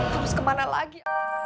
terus kemana lagi